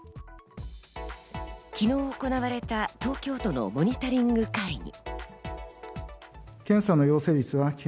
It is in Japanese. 昨日行われた東京都のモニタリング会議。